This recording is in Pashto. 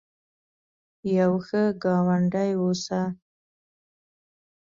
یو ښه ګاونډي اوسه